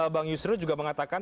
bang yusro juga mengatakan